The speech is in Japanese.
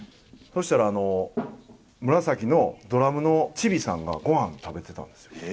そしたら紫のドラムのチビさんがごはん食べてたんですよ。